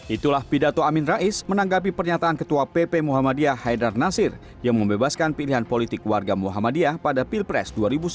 itulah pidato amin rais menanggapi pernyataan ketua pp muhammadiyah haidar nasir yang membebaskan pilihan politik warga muhammadiyah pada pilpres dua ribu sembilan belas